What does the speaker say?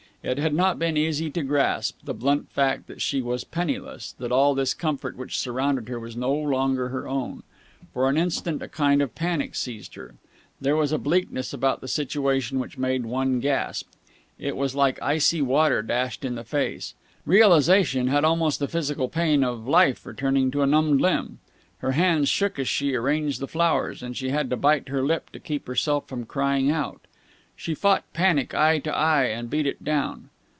It had not been easy to grasp, the blunt fact that she was penniless, that all this comfort which surrounded her was no longer her own. For an instant a kind of panic seized her. There was a bleakness about the situation which made one gasp. It was like icy water dashed in the face. Realization had almost the physical pain of life returning to a numbed limb. Her hands shook as she arranged the flowers, and she had to bite her lip to keep herself from crying out. She fought panic eye to eye, and beat it down.